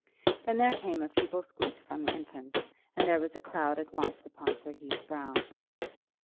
Then there came a feeble squeak from the infant, and there was a cloud at once upon Sir Hugh's brow.